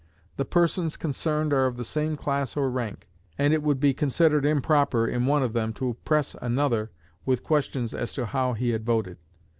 The persons concerned are of the same class or rank, and it would be considered improper in one of them to press another with questions as to how he had voted.